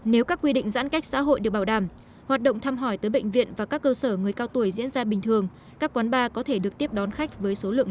nếu các quy định giãn cách xã hội được bảo đảm hoạt động thăm hỏi tới bệnh viện và các cơ sở người cao tuổi diễn ra bình thường các quán bar có thể được tiếp đón khách với số lượng lớn